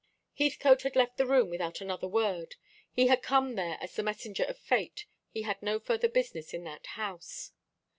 Heathcote left the room without another word. He had come there as the messenger of Fate. He had no further business in that house.